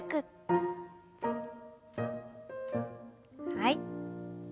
はい。